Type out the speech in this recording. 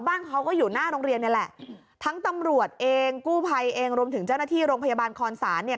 บ้านเขาก็อยู่หน้าโรงเรียนนี่แหละทั้งตำรวจเองกู้ภัยเองรวมถึงเจ้าหน้าที่โรงพยาบาลคอนศาลเนี่ย